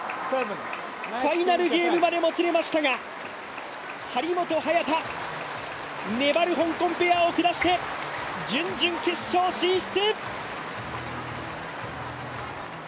ファイナルゲームまでもつれましたが張本・早田、粘る香港ペアを下して準々決勝進出！